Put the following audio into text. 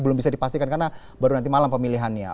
belum bisa dipastikan karena baru nanti malam pemilihannya